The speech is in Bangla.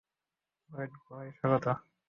ওয়েড গুহায় স্বাগত।